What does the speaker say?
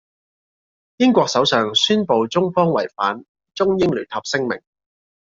英國首相宣佈中方違反中英聯合聲明。